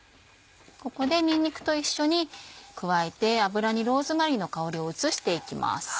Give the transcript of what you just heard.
ここでにんにくと一緒に加えて油にローズマリーの香りを移していきます。